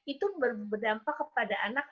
itu berdampak kepada anak